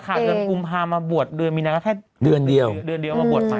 ข่าวจักรขาดจนกุมภามาบวชเดือนมีนาแค่เดือนเดียวมาบวชไป